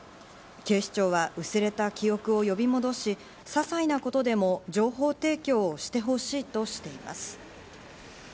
警視庁は薄れた記憶を呼び戻し、ささいなことでも情報を提供してほしいとしています。